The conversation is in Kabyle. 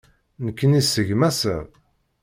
Nekkini seg maṣer.